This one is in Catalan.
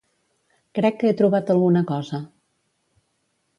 Crec que he trobat alguna cosa.